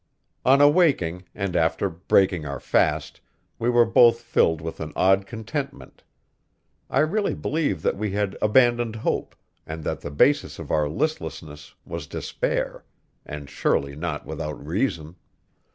On awaking, and after breaking our fast, we were both filled with an odd contentment. I really believe that we had abandoned hope, and that the basis of our listlessness was despair; and surely not without reason.